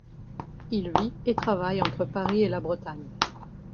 Il vit et travaille entre Paris et la Bretagne.